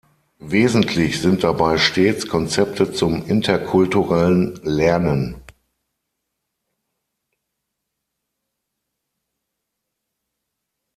Wesentlich sind dabei stets Konzepte zum interkulturellen Lernen.